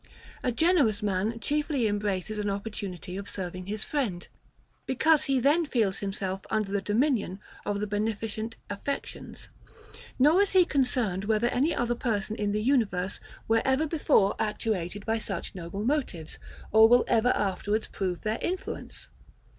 A generous man cheerfully embraces an opportunity of serving his friend; because he then feels himself under the dominion of the beneficent affections, nor is he concerned whether any other person in the universe were ever before actuated by such noble motives, or will ever afterwards prove their influence.